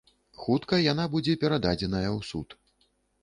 Хутка яна будзе перададзеная ў суд.